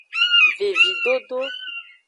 Vevidodo.